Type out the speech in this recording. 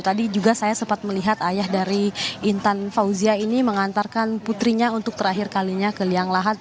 tadi juga saya sempat melihat ayah dari intan fauzia ini mengantarkan putrinya untuk terakhir kalinya ke liang lahat